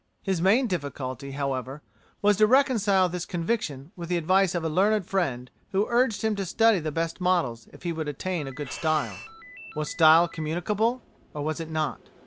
His main difficulty, however, was to reconcile this conviction with the advice of a learned friend who urged him to study the best models if he would attain a good style. Was style communicable? or was it not?